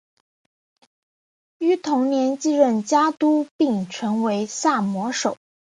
于同年继任家督并成为萨摩守。